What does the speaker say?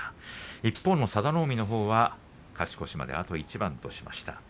一方の佐田の海は勝ち越しまであと一番としました。